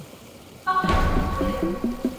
أوقفوا التصوير.